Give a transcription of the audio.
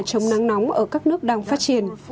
chống nắng nóng ở các nước đang phát triển